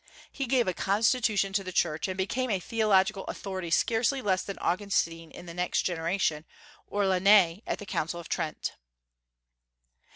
He gave a constitution to the Church, and became a theological authority scarcely less than Augustine in the next generation, or Lainez at the Council of Trent.